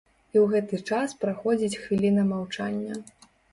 І ў гэты час праходзіць хвіліна маўчання.